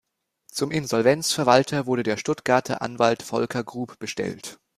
Zum Insolvenzverwalter wurde der Stuttgarter Anwalt Volker Grub bestellt.